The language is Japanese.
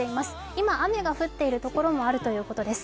今、雨が降っているところもあるということです。